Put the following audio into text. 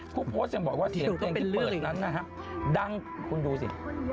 ผู้โพสต์ยังบอกว่าเสียงเพลงที่มืดนั้นนะฮะดังคุณดูสิ